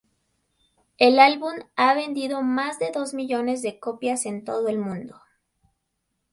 El álbum ha vendido más de dos millones de copias en todo el mundo.